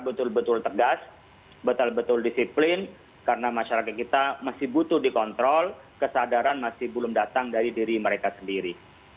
betul betul tegas betul betul disiplin karena masyarakat kita masih butuh dikontrol kesadaran masih belum datang dari diri mereka sendiri